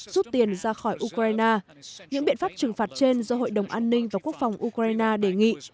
rút tiền ra khỏi ukraine những biện pháp trừng phạt trên do hội đồng an ninh và quốc phòng ukraine đề nghị